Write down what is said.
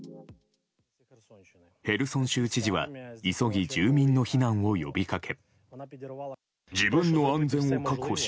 ヘルソン州知事は急ぎ住民の避難を呼びかけ。